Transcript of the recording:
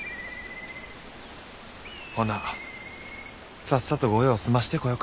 ほなさっさと御用を済ましてこよか。